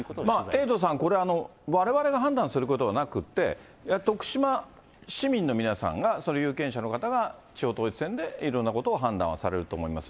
エイトさん、これ、われわれが判断することはなくて、徳島市民の皆さんが、その有権者の方が地方統一選でいろんなことを判断をされると思います。